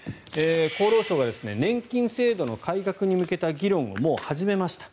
厚労省は年金制度の改革に向けた議論をもう始めました。